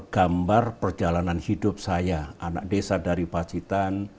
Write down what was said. gambar perjalanan hidup saya anak desa dari pacitan